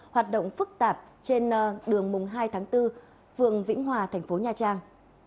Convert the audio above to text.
hoạt động phức tạp trên đường mùng hai tháng bốn phường vĩnh hòa thành phố nha trang